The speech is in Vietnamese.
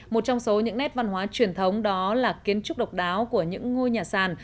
một trong số những nét văn hóa truyền thống đó là kiến trúc độc đáo của những ngôi nhà sàn